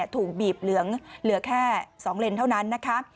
ถูกบีบเหลืองเหลือแค่๒เลนเท่านั้นนะคะ